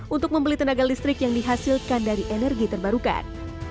untuk membeli tenaga listrik yang dihasilkan dari energi terbarukan